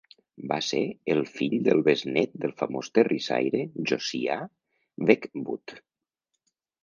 Va ser el fill del besnet del famós terrissaire Josiah Wedgwood.